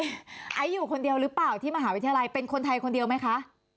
ไอซ์อยู่คนเดียวหรือเปล่าที่มหาวิทยาลัยเป็นคนไทยคนเดียวไหมคะ